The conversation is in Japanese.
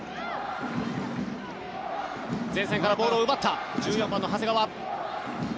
前線からボールを奪った１４番の長谷川。